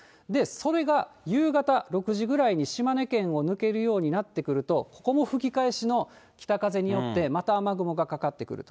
それが夕方６時ぐらいに島根県を抜けるようになってくると、ここも吹き返しの北風によって、また雨雲がかかってくる。